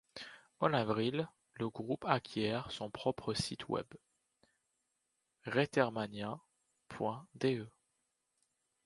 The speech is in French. En avril, le groupe acquiert son propre site web, reitermania.de.